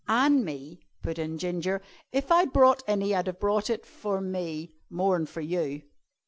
"An' me," put in Ginger. "If I'd brought any I'd have brought it for me more'n for you."